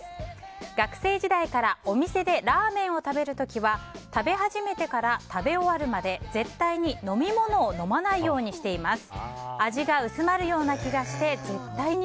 学生時代からお店でラーメンを食べる時は食べ始めてから食べ終わるまで絶対に飲み物を飲まないようにしています。